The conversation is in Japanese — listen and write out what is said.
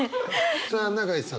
さあ永井さん